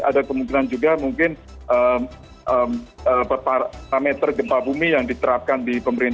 jadi ada kemungkinan juga mungkin parameter gempa bumi yang diterapkan di pembangunan